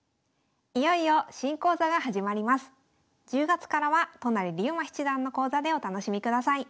１０月からは都成竜馬七段の講座でお楽しみください。